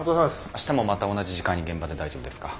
明日もまた同じ時間に現場で大丈夫ですか？